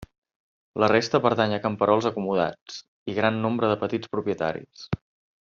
La resta pertany a camperols acomodats i gran nombre de petits propietaris.